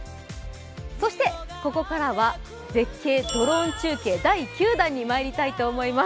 そしてここからは絶景ドローン中継、第９弾にまいりたいと思います。